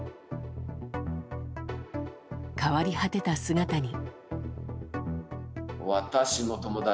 変わり果てた姿に。